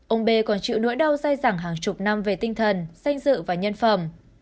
ông b còn chịu nỗi đau say rẳng hàng chục năm về tinh thần danh dự và nhân phẩm